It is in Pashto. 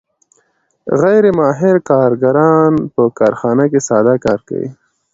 غیر ماهر کارګران په کارخانه کې ساده کار کوي